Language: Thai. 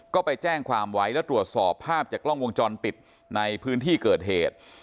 ก็ไปแจ้งความไว้แล้วตรวจสอบภาพจากกล้องวงจรปิดในพื้นที่เกิดเหตุ